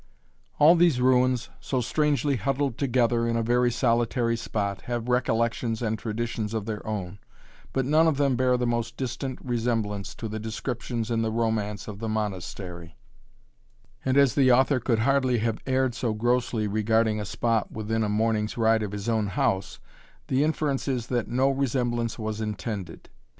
All these ruins, so strangely huddled together in a very solitary spot, have recollections and traditions of their own, but none of them bear the most distant resemblance to the descriptions in the Romance of the Monastery; and as the author could hardly have erred so grossly regarding a spot within a morning's ride of his own house, the inference is, that no resemblance was intended.